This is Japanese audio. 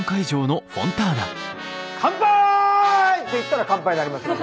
乾杯！って言ったら乾杯になりますので。